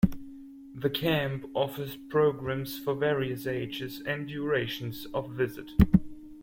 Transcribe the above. The camp offers programs for various ages and durations of visit.